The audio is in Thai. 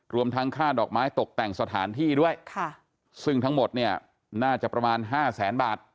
รวมทั้งค่าดอกไม้ตกแต่งสถานที่ด้วยซึ่งทั้งหมดเนี่ยน่าจะประมาณห้าแสนบาท